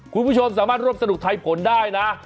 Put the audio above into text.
คุณผู้ชมสามารถรวบสนุกไทยผลได้นะ